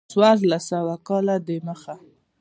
څوارلس سوه کاله د مخه.